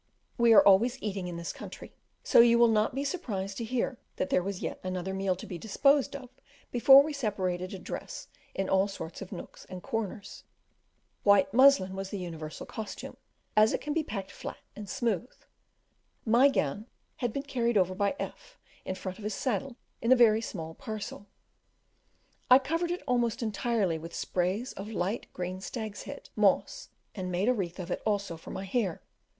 We are always eating in this country, so you will not be surprised to hear that there was yet another meal to be disposed of before we separated to dress in all sorts of nooks and corners. White muslin was the universal costume, as it can be packed flat and smooth. My gown had been carried over by F in front of his saddle in a very small parcel: I covered it almost entirely with sprays of the light green stag's head, moss, and made a wreath of it also for my hair.